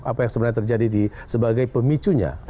apa yang sebenarnya terjadi sebagai pemicunya